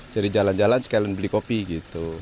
jadi jalan jalan sekalian beli kopi gitu